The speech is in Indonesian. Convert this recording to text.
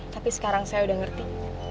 tapi sekarang saya udah ngerti